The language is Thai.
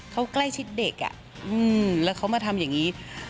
เขาใกล้ชิดเด็กแล้วเขามาทำอย่างนี้